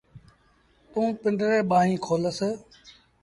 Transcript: توٚنٚ پنڊريٚݩ ٻآهيݩ کولس